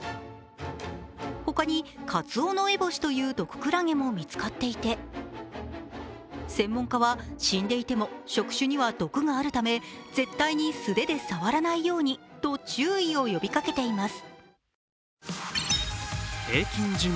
ほかにカツオノエボシという毒クラゲも見つかっていて、専門家は、死んでいても触手には毒があるため絶対に素手で触らないようにと注意を呼びかけています。